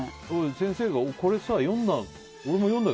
先生がこれさ、読んだ？